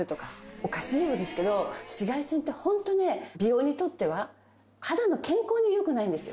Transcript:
おかしいようですけど紫外線ってホントね美容にとっては肌の健康に良くないんですよ。